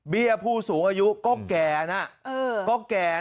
เบี้ยผู้สูงอายุก็แก่นะ